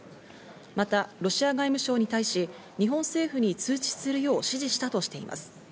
また、ロシア外務省に対し日本政府に通知するよう指示したとしています。